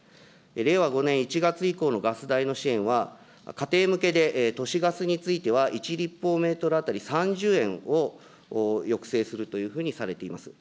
令和５年１月以降のガス代の支援は、家庭向けで都市ガスについては、１立方メートル当たり３０円を抑制するというふうにされています。